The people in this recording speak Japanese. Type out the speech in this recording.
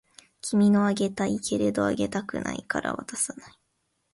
君のあげたいけれどあげたくないから渡さない